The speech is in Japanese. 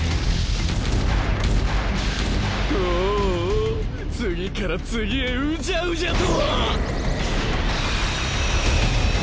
おおおお次から次へうじゃうじゃと！